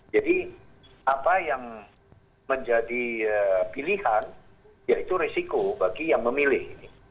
jadi apa yang menjadi pilihan ya itu risiko bagi yang memilih